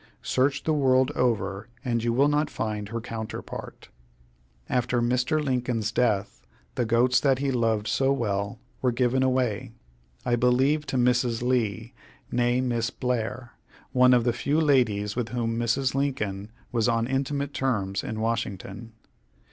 Search the world over, and you will not find her counterpart. After Mr. Lincoln's death, the goats that he loved so well were given away I believe to Mrs. Lee, née Miss Blair, one of the few ladies with whom Mrs. Lincoln was on intimate terms in Washington.